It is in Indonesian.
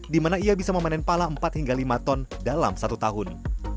di mana ia bisa memanen pala empat hingga lima ton dalam satu tahun